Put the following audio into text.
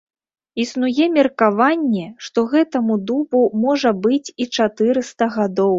Існуе меркаванне, што гэтаму дубу можа быць і чатырыста гадоў.